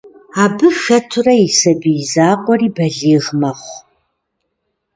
Абы хэтурэ и сабий закъуэри балигъ мэхъу.